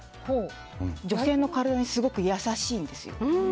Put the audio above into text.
女性の体にすごく優しいんですよ。